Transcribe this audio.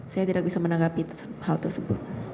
saya tidak bisa menanggapi hal tersebut